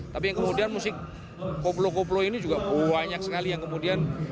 tapi yang kemudian musik koplo koplo ini juga banyak sekali yang kemudian